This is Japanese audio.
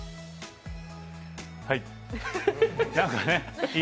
はい。